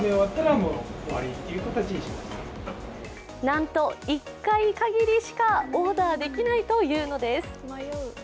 なんと、１回限りしかオーダーできないというのです。